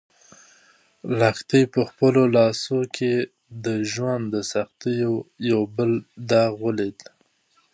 لښتې په خپلو لاسو کې د ژوند د سختیو یو بل داغ ولید.